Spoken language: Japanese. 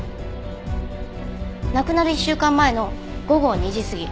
亡くなる１週間前の午後２時過ぎ。